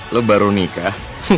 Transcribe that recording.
lo baru nikah